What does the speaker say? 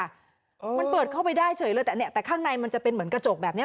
มันเปิดเข้าไปได้เฉยเลยแต่เนี่ยแต่ข้างในมันจะเป็นเหมือนกระจกแบบเนี้ย